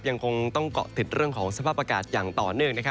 ยังคงต้องเกาะติดเรื่องของสภาพอากาศอย่างต่อเนื่อง